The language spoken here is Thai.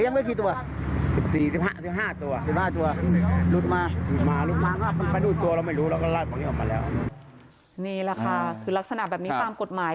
นี่แหละค่ะคือลักษณะแบบนี้ตามกฎหมาย